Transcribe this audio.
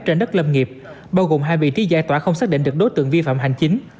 trên đất lâm nghiệp bao gồm hai vị trí giải tỏa không xác định được đối tượng vi phạm hành chính